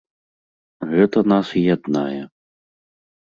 Гэта нас і яднае.